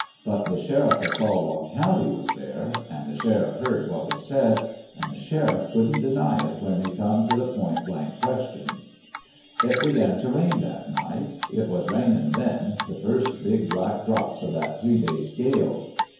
But the sheriff o' Saw log County was there an' the sheriff heard what was said an' the sheriff couldn't deny it when he come t' the point blank question. " It begun t' rain that night. It was rainin' then the first big black drops o' that three days' gale.